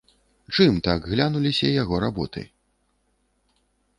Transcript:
Чым так глянуліся яго работы?